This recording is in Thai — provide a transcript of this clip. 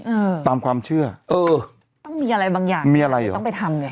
อืมตามความเชื่อเออต้องมีอะไรบางอย่างมีอะไรเหรอต้องไปทำเนี้ย